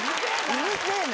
うるせぇな！